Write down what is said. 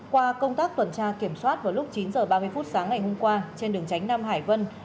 qua công tác tuần tra kiểm soát vào lúc chín h ba mươi phút sáng ngày hôm qua trên đường tránh nam hải vân